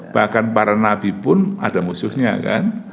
bahkan para nabi pun ada musuhnya kan